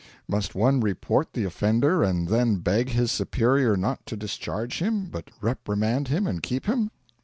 'Must one report the offender and then beg his superior not to discharge him, but reprimand him and keep him?'